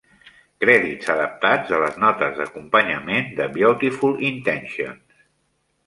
Crèdits adaptats de les notes d'acompanyament de "Beautiful Intentions".